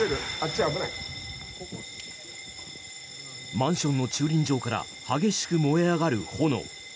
マンションの駐輪場から激しく燃え上がる炎。